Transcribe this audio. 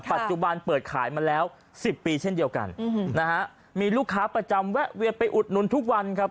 ปัจจุบันเปิดขายมาแล้วสิบปีเช่นเดียวกันนะฮะมีลูกค้าประจำแวะเวียนไปอุดหนุนทุกวันครับ